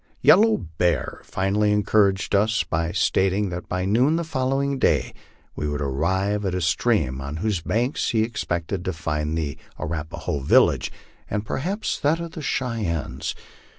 Yellow Bear finally encouraged us by stating that by noon the following day we would arrive at a stream, on whose banks he expected to find the Ar apaho village, and perhaps that of the Cheyennes.